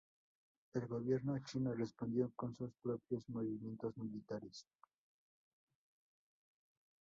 El gobierno chino respondió con sus propios movimientos militares.